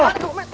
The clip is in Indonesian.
saya akan menang